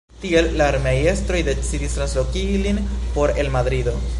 Tiel, la armeaj estroj decidis translokigi lin for el Madrido.